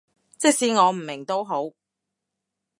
即使我唔明都好